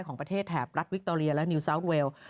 ของประเทศแถบรัฐวิคโตเรียและนิวซาวเวล